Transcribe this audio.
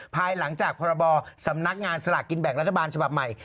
ภายหลังจากพรบสำนักงานสลากกินแบ่งรัฐบาลฉบับใหม่